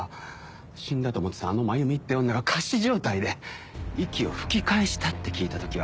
死んだと思ってたあの真弓って女が仮死状態で息を吹き返したって聞いた時は。